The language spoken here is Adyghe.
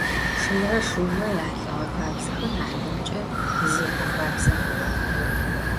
Шымрэ шыумрэ яхьылӏэгъэ хабзэхэр нахьыбэмкӏэ зекӏо хабзэ хъугъэх.